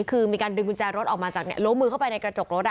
คือมีการดึงกุญแจรถออกมาจากล้วงมือเข้าไปในกระจกรถ